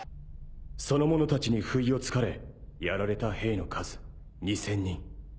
その者たちに不意を突かれやられた兵の数２，０００人。